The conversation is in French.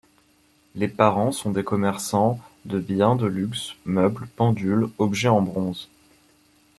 Les parents sont des commerçants de biens de luxe, meubles, pendules, objets en bronze.